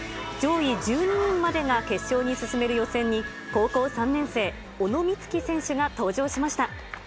上位１２人までが決勝に進める予選に、高校３年生、小野光希選手が登場しました。